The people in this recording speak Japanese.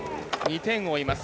２点を追います。